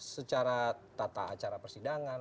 secara tata acara persidangan